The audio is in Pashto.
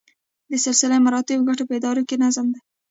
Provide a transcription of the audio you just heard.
د سلسله مراتبو ګټه په اداره کې نظم دی.